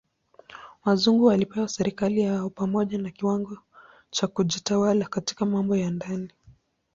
Wazungu walipewa serikali yao pamoja na kiwango cha kujitawala katika mambo ya ndani.